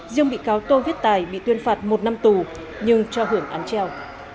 riêng bị cáo tô viết tài bị tuyên phạt một năm tù nhưng cho hưởng án treo